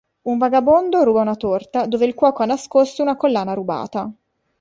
Un vagabondo ruba una torta dove il cuoco ha nascosto una collana rubata.